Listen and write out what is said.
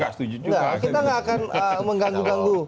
kita nggak akan mengganggu ganggu